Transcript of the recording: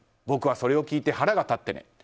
僕はそれを聞いて腹が立ってね。